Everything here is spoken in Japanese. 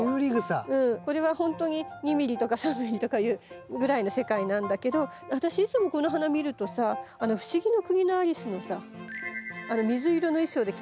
これは本当に２ミリとか３ミリとかいうぐらいの世界なんだけど私いつもこの花見るとさ「不思議の国のアリス」のさ水色の衣装で金髪じゃない？